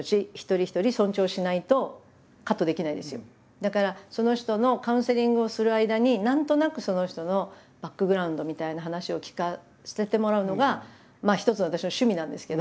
だからその人のカウンセリングをする間に何となくその人のバックグラウンドみたいな話を聞かせてもらうのがまあ一つ私の趣味なんですけど。